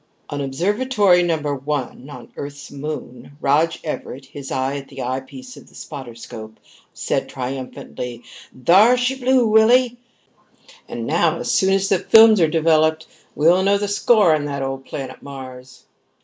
In Observatory No. 1 on Earth's moon, Rog Everett, his eye at the eyepiece of the spotter scope, said triumphantly, "Thar she blew, Willie. And now, as soon as the films are developed, we'll know the score on that old planet Mars."